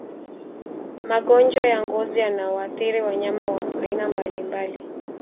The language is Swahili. Magonjwa ya ngozi yanawaathiri wanyama wa aina mbalimbali